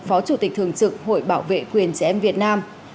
phó chủ tịch thường trực hội bảo vệ quyền trẻ em việt nam